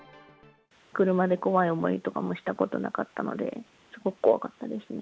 車で怖い思いとかもしたことなかったので、すごく怖かったですね。